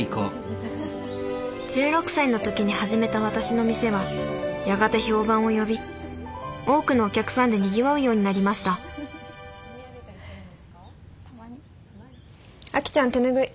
１６歳の時に始めた私の店はやがて評判を呼び多くのお客さんでにぎわうようになりましたあきちゃん手拭い。